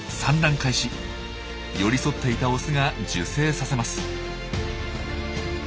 寄り添っていたオスが受精させます。